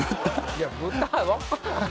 いや「豚」